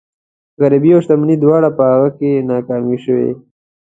غريبي او شتمني دواړه په هغه کې ناکامې شوي.